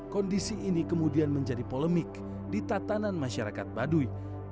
kondisi ini kemudian menjadi polemik di tatanan masyarakat baduy